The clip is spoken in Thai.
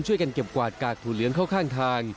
ช่วยกันเก็บกวาดกากถั่วเหลืองเข้าข้างทาง